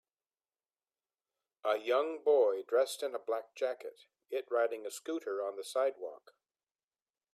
A young boy dressed in a black jacket it riding a scooter on the sidewalk